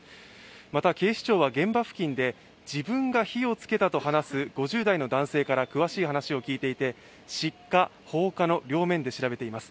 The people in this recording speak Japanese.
また警視庁は現場付近で自分が火をつけたと話す５０代の男性から詳しい話を聞いていて失火、放火の両面で調べています。